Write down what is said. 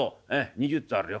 ２０つあるよ。